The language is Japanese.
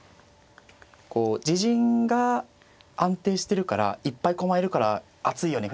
こう自陣が安定してるからいっぱい駒いるから厚いよね